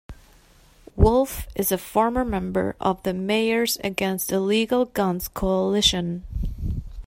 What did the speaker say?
Wolf is a former member of the Mayors Against Illegal Guns Coalition.